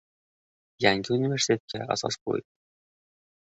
Yangi universitetga asos qo‘yildi